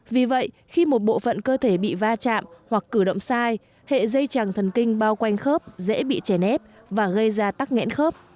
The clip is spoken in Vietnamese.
vì vậy khi một bộ phận cơ thể bị va chạm hoặc cử động sai hệ dây chẳng thần kinh bao quanh khớp dễ bị chèn ép và gây ra tắc nghẽn khớp